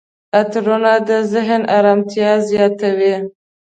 عطرونه د ذهن آرامتیا زیاتوي.